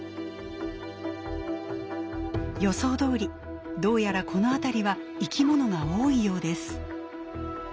予想どおりどうやらこの辺りは生きものが多いようです。